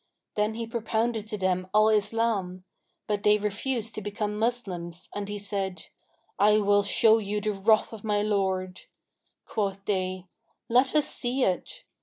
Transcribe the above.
Then he propounded to them Al Islam; but they refused to become Moslems and he said, 'I will show you the wroth of my Lord.' Quoth they, 'Let us see it!'